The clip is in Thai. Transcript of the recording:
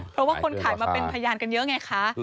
เพราะว่าคนขายมาเป็นพยานกันเยอะไงคะ